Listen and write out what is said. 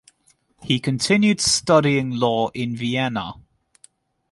He continued studying law in Vienna.